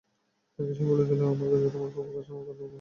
তাকে সে বলে দিলঃ তোমার প্রভুর কাছে আমার কথা বলবে।